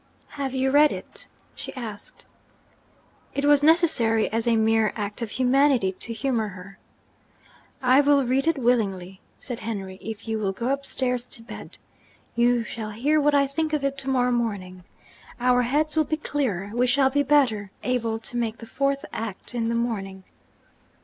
'Have you read it?' she asked. It was necessary as a mere act of humanity to humour her. 'I will read it willingly,' said Henry, 'if you will go upstairs to bed. You shall hear what I think of it to morrow morning. Our heads will be clearer, we shall be better able to make the fourth act in the morning.'